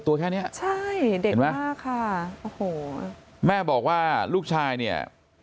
ตัวแค่เนี้ยใช่เด็กเห็นไหมมากค่ะโอ้โหแม่บอกว่าลูกชายเนี่ย